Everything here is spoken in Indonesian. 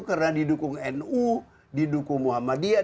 karena didukung nu didukung muhammadiyah